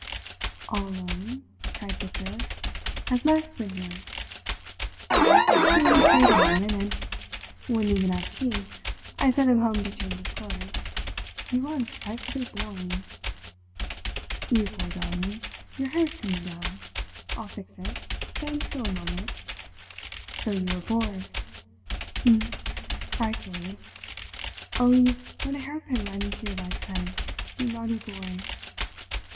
"All alone?" cried Victor. "Has Max been here?" "He only stayed a moment, and wouldn't even have tea. I sent him home to change his clothes.... He was frightfully boring." "You poor darling, your hair's coming down. I'll fix it, stand still a moment... so you were bored?" "Um m—frightfully.... Oh, you've run a hairpin right into your wife's head—you naughty boy!"